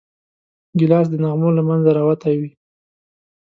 ګیلاس د نغمو له منځه راوتی وي.